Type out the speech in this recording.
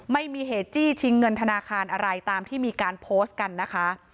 ไม่มีเหตุจี้ชิงเงินธนาคารอะไรตามที่มีการโพสต์กันนะคะ